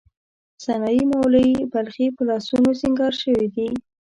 سنايي، مولوی بلخي په لاسونو سینګار شوې دي.